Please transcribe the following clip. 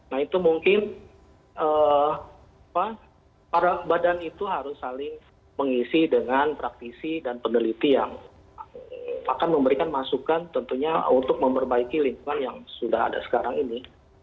nah itu mungkin para badan itu harus saling mengisi dengan praktisi dan peneliti yang akan memberikan masukan tentunya untuk memperbaiki lingkungan yang sudah ada sekarang ini